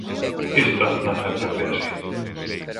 Isto non sempre foi así.